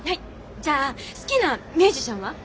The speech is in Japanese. じゃあ好きなミュージシャンは？